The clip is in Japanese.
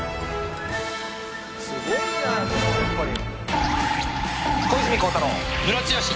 すごいなこれやっぱり。